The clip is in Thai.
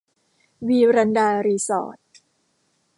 วีรันดา รีสอร์ท